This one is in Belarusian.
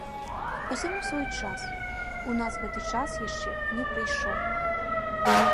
Усяму свой час, у нас гэты час яшчэ не прыйшоў.